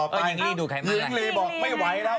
หญิงลีบอกไม่ไหวแล้ว